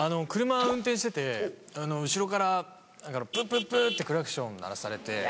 車を運転してて後ろから。ってクラクション鳴らされて。